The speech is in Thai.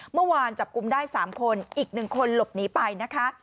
เมื่อวานจับกลุ่มได้๓คนอีก๑คนหลบหนีไปนะคะ